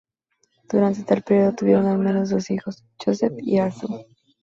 Durant tal periodo, tuvieron al menos dos hijos: Joseph y Arthur.